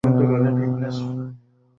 আরে কীভাবে বসাবো?